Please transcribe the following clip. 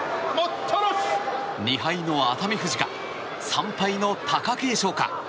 ２敗の熱海富士か３敗の貴景勝か。